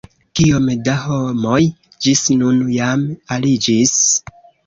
Kiom da homoj ĝis nun jam aliĝis?